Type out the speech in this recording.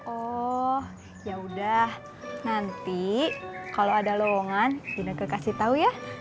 oh yaudah nanti kalau ada lowongan inneke kasih tau ya